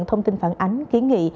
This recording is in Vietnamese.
thông tin phản ánh ký nghị